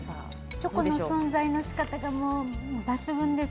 チョコの存在のしかたが抜群です。